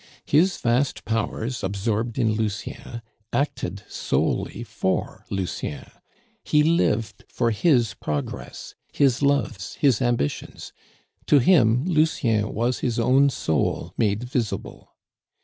His vast powers, absorbed in Lucien, acted solely for Lucien; he lived for his progress, his loves, his ambitions. To him, Lucien was his own soul made visible.